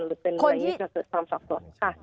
หรือเป็นอะไรอย่างนี้จะเกิดความสับสนค่ะ